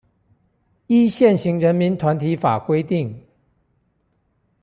依現行人民團體法規定